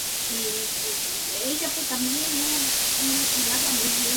Más recientemente, edita su propia página web en Internet con búsquedas temáticas históricas.